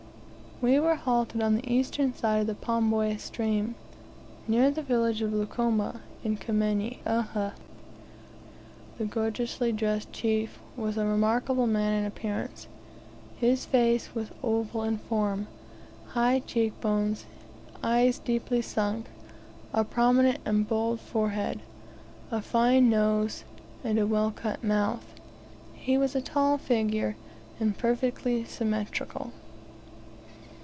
We were halted on the eastern side of the Pombwe stream, near the village of Lukomo, in Kimenyi, Uhha. The gorgeously dressed chief was a remarkable man in appearance. His face was oval in form, high cheek bones, eyes deeply sunk, a prominent and bold forehead, a fine nose, and a well cut mouth; he was tall in figure, and perfectly symmetrical.